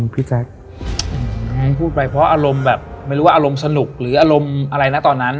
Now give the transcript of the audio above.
พี่แจ๊คพูดไปเพราะอารมณ์แบบไม่รู้ว่าอารมณ์สนุกหรืออารมณ์อะไรนะตอนนั้น